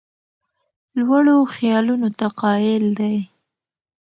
لوړو خیالونو ته قایل دی.